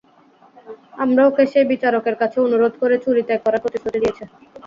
আমরা ওকে সে বিচারকের কাছে অনুরোধ করে চুরি ত্যাগ করার প্রতিশ্রুতি দিয়েছে।